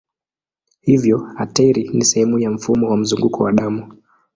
Hivyo ateri ni sehemu ya mfumo wa mzunguko wa damu.